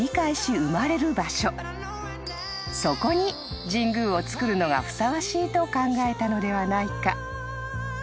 ［そこに神宮を造るのがふさわしいと考えたのではないか］